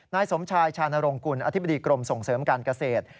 นายสมชายชานรงกุลอธิบดีกรมส่งเสริมการเกษตร